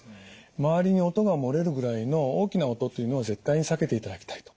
周りに音が漏れるぐらいの大きな音というのを絶対に避けていただきたい。